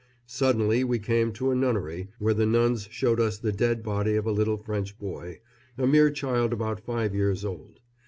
Suddenly we came to a nunnery, where the nuns showed us the dead body of a little French boy, a mere child about five years old.